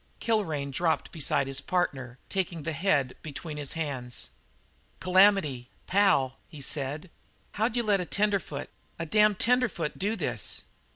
Kilrain dropped beside his partner, taking the head between his hands. "Calamity pal," he said, "how'd you let a tenderfoot, a damned tenderfoot, do this?"